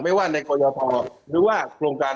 ไม่ว่าในโรยภพวัณธ์หรือการ